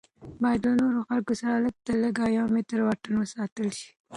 باید له نورو خلکو سره لږ تر لږه یو میټر واټن وساتل شي.